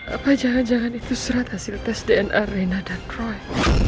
apa jangan jangan itu surat hasil tes dna rena dan proyek